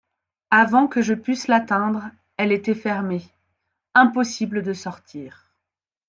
Avant que je pusse l'atteindre, elle était fermée ; impossible de sortir.